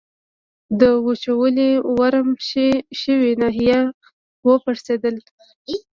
د وچولې ورم شوې ناحیه و پړسېدل.